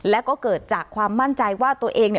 และก็เกิดจากความมั่นใจว่าตัวเองเนี่ย